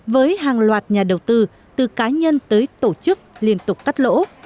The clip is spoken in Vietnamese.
với hàng loạt nhà đầu tư từ cá nhân tới tổ chức liên tục cắt lỗ